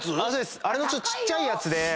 あれのちっちゃいやつで。